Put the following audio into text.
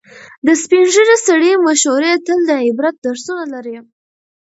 د سپینې ږیرې سړي مشورې تل د عبرت درسونه لري.